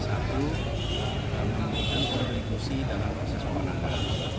satu memiliki kondisi dalam proses perkembangan